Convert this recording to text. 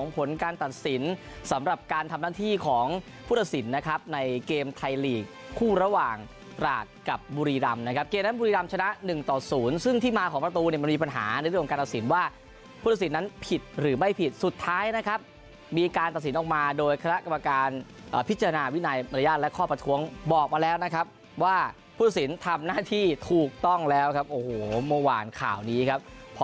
ผลการตัดสินสำหรับการทำหน้าที่ของผู้ตัดสินนะครับในเกมไทยลีกคู่ระหว่างรากกับบุรีรำนะครับเกมนั้นบุรีรำชนะหนึ่งต่อศูนย์ซึ่งที่มาของประตูเนี่ยมันมีปัญหาในเรื่องการตัดสินว่าผู้ตัดสินนั้นผิดหรือไม่ผิดสุดท้ายนะครับมีการตัดสินออกมาโดยคณะกรรมการอ่าพิจารณาวินัยอนุญาตและข้อป